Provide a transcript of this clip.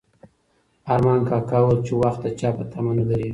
ارمان کاکا وویل چې وخت د چا په تمه نه درېږي.